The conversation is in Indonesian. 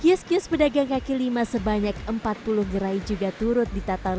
kios kios pedagang kaki lima sebanyak empat puluh gerai juga turut ditata